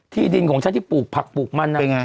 ที่ดินของฉันที่ปลูกผักปลูกมันนะนะเป็นยังไง